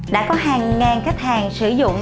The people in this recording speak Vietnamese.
đã có hàng ngàn khách hàng sử dụng